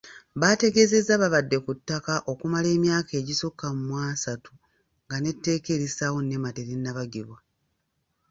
Baategeezezza babadde ku ttaka okumala emyaka egisukka mwa asatu nga n'etteeka erissaawo Nema terinnabaggibwa.